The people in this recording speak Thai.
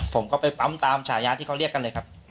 ผมก็ไปปั๊มตามฉายาที่เขาเรียกกันเลยครับ